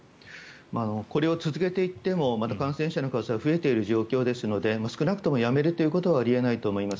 これを続けていってもまた感染者の数は増えていっている状況ですので少なくともやめるということはあり得ないと思います。